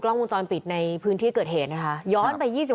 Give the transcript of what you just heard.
กล้องมุมจอนปิดในพื้นที่เกิดเหตุนะคะย้อนไปยี่สิบ